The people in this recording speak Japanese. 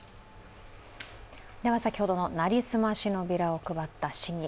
先ほどの成り済ましのビラを配った市議。